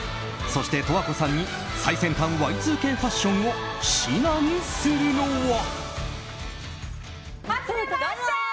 そして、十和子さんに最先端Ｙ２Ｋファッションを指南するのは。